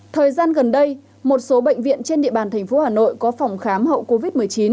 thời gian gần đây một số bệnh viện trên địa bàn thành phố hà nội có phòng khám hậu covid một mươi chín